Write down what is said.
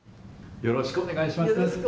よろしくお願いします。